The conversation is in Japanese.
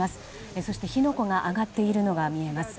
そして、火の粉が上がっているのが見えます。